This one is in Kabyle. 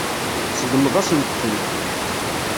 Tseggmeḍ-asent-tent.